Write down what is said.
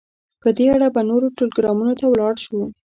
په دې اړه به نورو ټلګرامونو ته ولاړ شو.